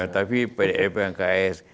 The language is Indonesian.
tapi pdip dengan ks